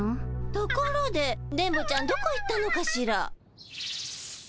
ところで電ボちゃんどこ行ったのかしら？